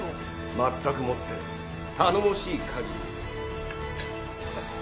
まったくもって頼もしい限りです。